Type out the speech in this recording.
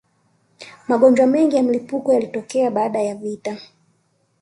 magonjwa mengi ya mlipuko yalitokea baada ya vita